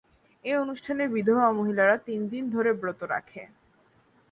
এই অনুষ্ঠানে বিধবা মহিলারা তিন দিন ধরে ব্রত রাখে।